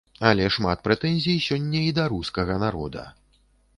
Але шмат прэтэнзій сёння і да рускага народа.